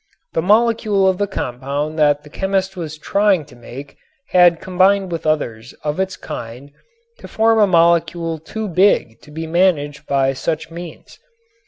The molecule of the compound that the chemist was trying to make had combined with others of its kind to form a molecule too big to be managed by such means.